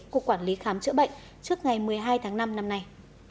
cục quản lý khám chữa bệnh trước ngày một mươi hai tháng năm năm nay